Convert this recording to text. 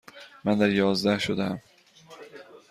من دریازده شدهام.